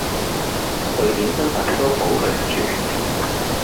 瑞典身份都保佢唔住！